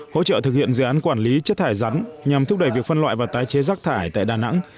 hỗ trợ thực hiện dự án quản lý chất thải rắn nhằm thúc đẩy việc phân loại và tái chế rác thải tại đà nẵng